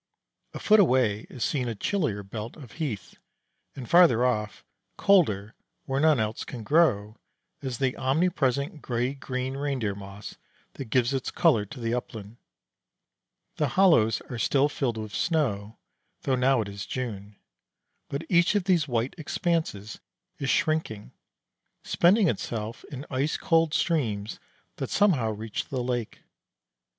A foot away is seen a chillier belt of heath, and farther off, colder, where none else can grow, is the omnipresent gray green reindeer moss that gives its color to the upland. The hollows are still filled with snow, though now it is June. But each of these white expanses is shrinking, spending itself in ice cold streams that somehow reach the lake.